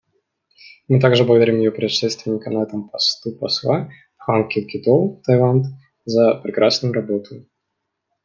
Мы также благодарим ее предшественника на этом посту посла Пхуангкеткеоу, Таиланд, за прекрасную работу.